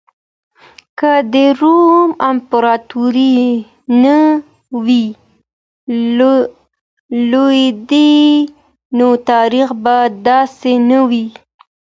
که د روم امپراطورۍ نه وای لوېدلې نو تاريخ به داسې نه وای.